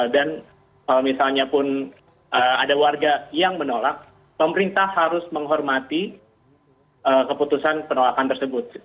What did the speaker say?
dan kalau misalnya pun ada warga yang menolak pemerintah harus menghormati keputusan penolakan tersebut